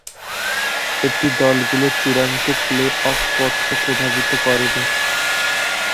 এটি দলগুলোর চূড়ান্ত প্লে-অফ পথকে প্রভাবিত করেনি।